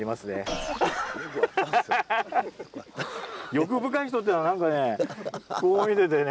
欲深い人っていうのは何かねこう見ててね。